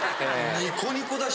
ニコニコだし。